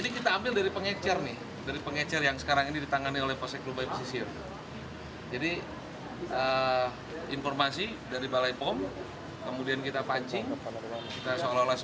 kira kira pembuatnya siapa